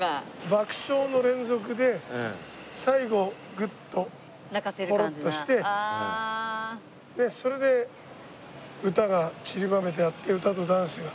爆笑の連続で最後グッとホロッとしてそれで歌がちりばめてあって歌とダンスが。